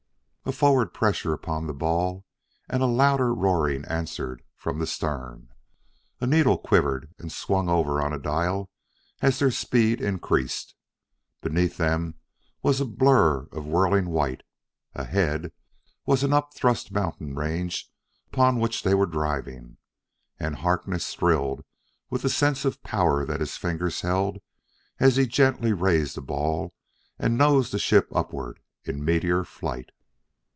A forward pressure upon the ball, and a louder roaring answered from the stern. A needle quivered and swung over on a dial as their speed increased. Beneath them was a blur of whirling white; ahead was an upthrust mountain range upon which they were driving. And Harkness thrilled with the sense of power that his fingers held as he gently raised the ball and nosed the ship upward in meteor flight.